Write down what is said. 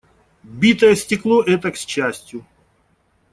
Битое стекло - это к счастью.